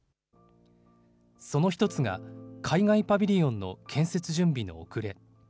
その１つが、海外パビリオンの建設準備の遅れ。